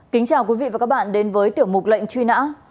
kính chào quý vị và các bạn đến với tiểu mục lệnh truy nã